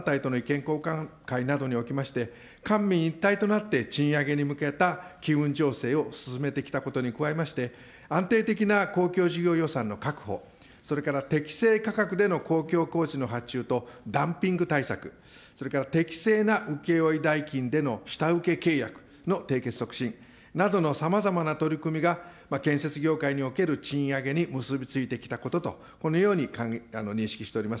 交換会などにおきまして、官民一体となって賃上げに向けた機運醸成を進めてきたことに加えまして、安定的な公共事業予算の確保、それから適正価格での公共工事の発注とダンピング対策、それから適正な請け負い代金での下請け契約の提携促進などのさまざまな取り組みが、建設業界における賃上げに結び付いてきたことと、このように認識しております。